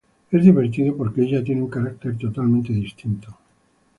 Es divertido porque ella tiene un carácter totalmente distinto.